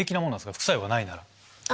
副作用がないなら。